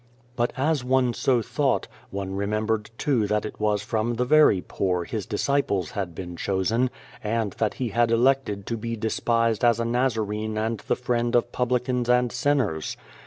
But as one so thought, one remembered too that it was from the very poor His disciples had been chosen, and that He had elected to be despised as a Nazarene and the friend of publicans and sinners.